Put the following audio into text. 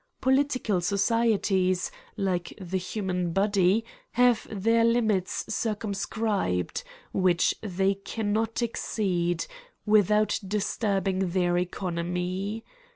Political so "cieties, like the human body, have their limits cir cumscribed, which they cannot exceed, without disturbing thtir economy.